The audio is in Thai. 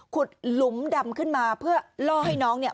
หลุมดำขึ้นมาเพื่อล่อให้น้องเนี่ย